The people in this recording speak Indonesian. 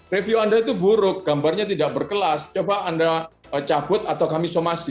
review anda itu buruk gambarnya tidak berkelas coba anda cabut atau kami somasi